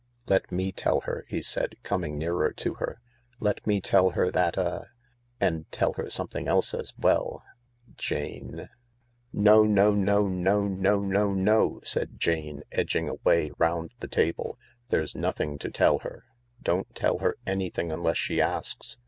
" Let me tell her," he said, coming nearer to her ;" let me tell her that a — and tell her something else as well. ... Jane .. "No, no, no, no, no, no, no 1 " said Jane, edging away round the table. " There's nothing to tell her. Don't tell her anything unless she asks.